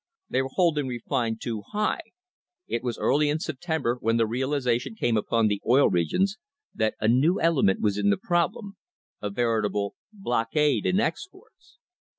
They were holding refined too high. It was early in September when the realisation came upon the Oil Regions that a new element was in the problem — a veritable blockade in exports.